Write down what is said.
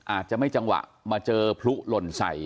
อาจจะไม่จังหวะมาเจอพลุหล่นใส่